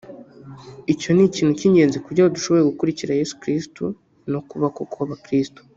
Icyo ni ikintu cy’ingenzi kugira ngo dushobore gukurikira Yezu Kristu no kuba koko abakristu